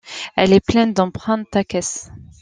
Elle est pleine d’empreintes, ta caisse!